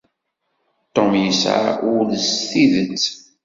Tom yesεa ul s tidet.